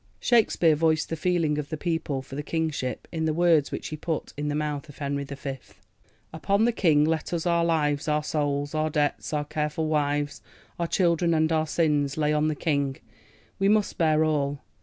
Shakespeare voiced the feeling of the people for the kingship in the words which he put into the mouth of Henry V: Upon the king! let us our lives, our souls, Our debts, our careful wives, Our children, and our sins, lay on the king: We must bear all.